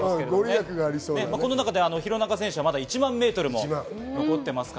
廣中選手は、まだ１００００ｍも残っています。